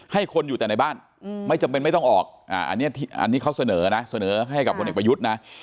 ให้คนอยู่แต่ในบ้านไม่จำเป็นไม่ต้องออกอันนี้เขาเสนอนะเสนอให้กับคนเอกประยุทธ์นะ